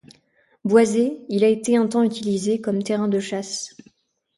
Boisé, il a été un temps utilisé comme terrain de chasse.